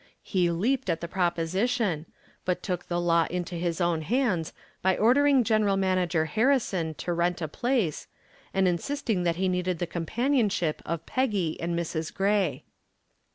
He leaped at the proposition, but took the law into his own hands by ordering General Manager Harrison to rent a place, and insisting that he needed the companionship of Peggy and Mrs. Gray.